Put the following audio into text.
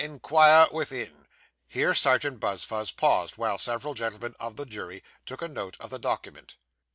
Inquire within."' Here Serjeant Buzfuz paused, while several gentlemen of the jury took a note of the document.